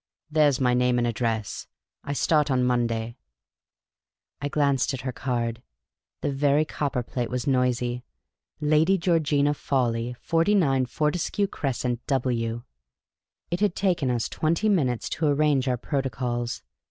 There 's my name and address ; I start on Monday." I glanced at her card. The very copperplate was noisy. " L,ady Georgina Fawley, 49 Fortescue Crescent, W." ' It had taken us twenty minutes to arrange our protocols.